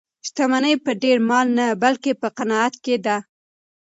شتمني په ډېر مال نه بلکې په قناعت کې ده.